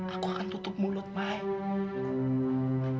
aku akan tutup mulut baik